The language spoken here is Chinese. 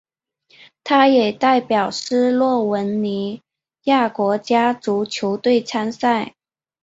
他也代表斯洛文尼亚国家足球队参赛。